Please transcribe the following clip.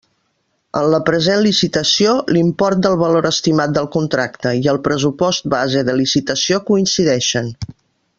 En la present licitació l'import del valor estimat del contracte i el pressupost base de licitació coincideixen.